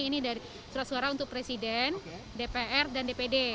ini dari surat suara untuk presiden dpr dan dpd